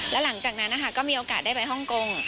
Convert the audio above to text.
แล้วหลังจากนั้นนะคะก็มีโอกาสได้ไปฮ่องกง